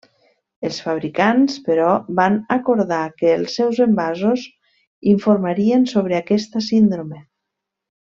Els fabricants però van acordar que els seus envasos informarien sobre aquesta síndrome.